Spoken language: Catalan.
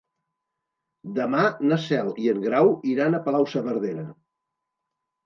Demà na Cel i en Grau iran a Palau-saverdera.